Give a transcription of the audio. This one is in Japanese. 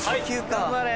頑張れ！